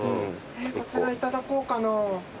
こちらいただこうかな？